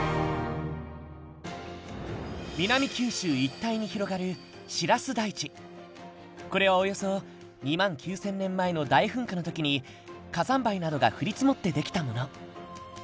南九州一帯に広がるこれはおよそ２万９，０００年前の大噴火の時に火山灰などが降り積もって出来たもの。